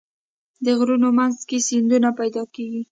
د غرونو منځ کې سیندونه پیدا کېږي.